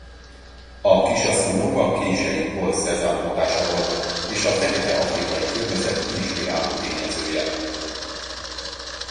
A Kisasszonyok a kései Paul Cézanne hatása volt és a fekete-afrikai környezet inspiráló tényezője.